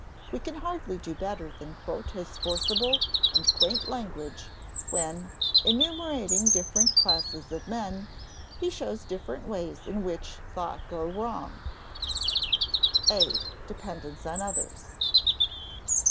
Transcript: We can hardly do better than quote his forcible and quaint language, when, enumerating different classes of men, he shows different ways in which thought goes wrong: [Sidenote: (a) dependence on others,] 1.